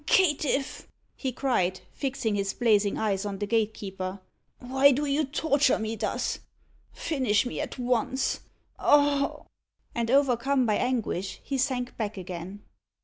"Caitiff!" he cried, fixing his blazing eyes on the gatekeeper, "why do you torture me thus? Finish me at once Oh!" And overcome by anguish, he sank back again.